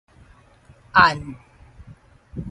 按